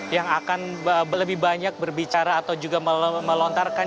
yang akan lebih banyak berbicara atau juga melontarkan